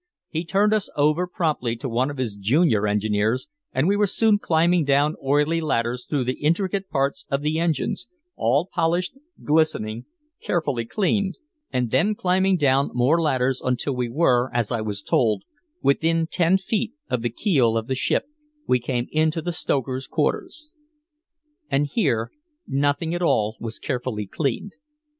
He turned us over promptly to one of his junior engineers, and we were soon climbing down oily ladders through the intricate parts of the engines, all polished, glistening, carefully cleaned. And then climbing down more ladders until we were, as I was told, within ten feet of the keel of the ship, we came into the stokers' quarters. And here nothing at all was carefully cleaned.